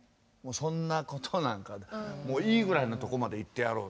そんなことなんかもういいぐらいのとこまで行ってやろう。